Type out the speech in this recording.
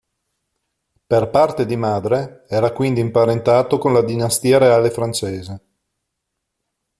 Per parte di madre era quindi imparentato con la dinastia reale francese.